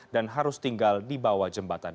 dan harus tinggal di bawah jembatan